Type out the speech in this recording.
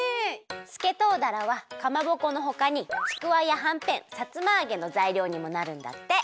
すけとうだらはかまぼこのほかにちくわやはんぺんさつまあげのざいりょうにもなるんだって！